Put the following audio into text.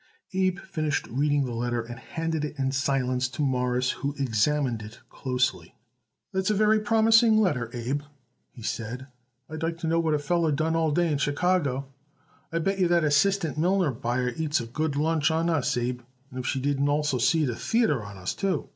Abe finished reading the letter and handed it in silence to Morris, who examined it closely. "That's a very promising letter, Abe," he said. "I'd like to know what that feller done all day in Chicago. I bet yer that assistant millinery buyer eats a good lunch on us, Abe, if she didn't also see it a theayter on us, too.